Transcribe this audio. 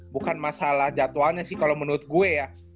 bukan masalah jatohannya sih kalo menurut gue ya